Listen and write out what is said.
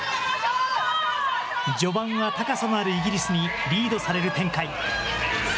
序盤は高さのあるイギリスにリードされる展開。